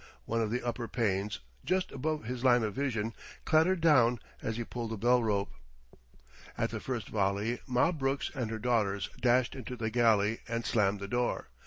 One of the upper panes, just above his line of vision, clattered down as he pulled the bell rope. At the first volley, Ma Brooks and her daughters dashed into the galley and slammed the door.